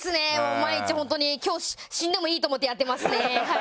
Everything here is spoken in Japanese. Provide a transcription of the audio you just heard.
毎日、今日死んでもいいと思ってやってますね。